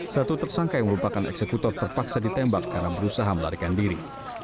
satu tersangka yang merupakan eksekutor terpaksa ditembak karena berusaha melarikan diri